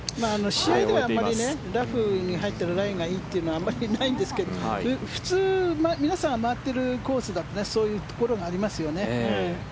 試合ではあまりラフに入ってるライがいいというのはないんですけど普通、皆さんが回っているコースだとそういうところがありますよね。